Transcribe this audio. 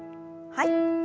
はい。